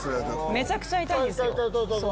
めちゃくちゃ痛いんですよ。